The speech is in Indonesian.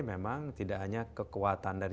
memang tidak hanya kekuatan dari